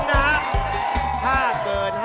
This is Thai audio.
เร็วเร็ว